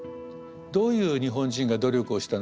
どういう日本人が努力をしたのか。